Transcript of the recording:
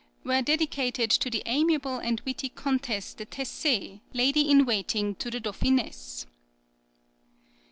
were dedicated to the amiable and witty Comtesse de Tessê, lady in waiting to the Dauphiness.